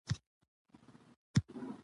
ـ واده دى د پرديي کې غورځي لېوني .